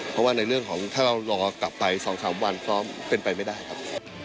เพราะว่าในเรื่องของถ้าเรารอกลับไป๒๓วันพร้อมเป็นไปไม่ได้ครับ